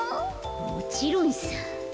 もちろんさ。